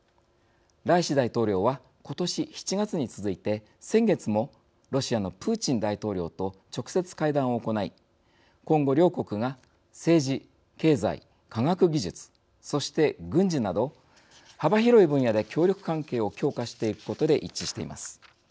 ライシ大統領は今年７月に続いて先月も、ロシアのプーチン大統領と直接会談を行い今後、両国が政治、経済、科学技術そして軍事など幅広い分野で協力関係を強化してゆくことで一致しています。